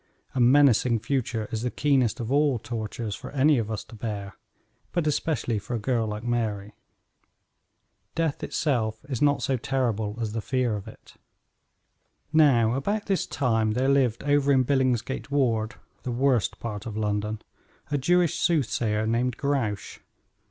A menacing future is the keenest of all tortures for any of us to bear, but especially for a girl like Mary. Death itself is not so terrible as the fear of it. Now about this time there lived over in Billingsgate Ward the worst part of London a Jewish soothsayer named Grouche.